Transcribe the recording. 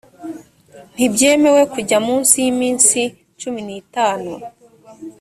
ntibyemewe kujya munsi y ‘iminsi cumi n’ itanu.